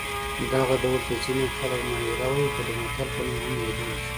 دغه ډول ته ځینې خلک محاوره وايي خو د متل په نوم هم یادیږي